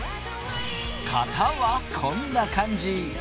型はこんな感じ。